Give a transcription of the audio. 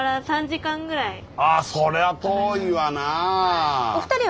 あそれは遠いわなあ。